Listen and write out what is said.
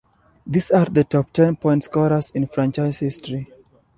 These are the top-ten point-scorers in franchise history.